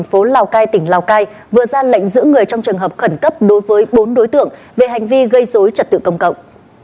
cơ quan cảnh sát điều tra công an tp lọc vừa ra lệnh giữ người trong trường hợp khẩn cấp đối với bốn đối tượng về hành vi gây dối trật tự công cộng